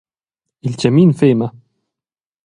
Il tgamin fema.